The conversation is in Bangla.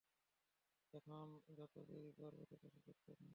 এখন যত দেরি করবে, তত সুযোগ কমবে।